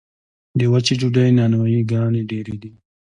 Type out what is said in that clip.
د وچې ډوډۍ نانوایي ګانې ډیرې دي